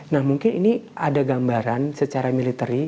nah mungkin ini ada gambaran secara military